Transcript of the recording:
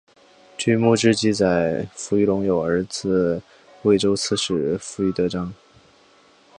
据墓志记载扶余隆有儿子渭州刺史扶余德璋。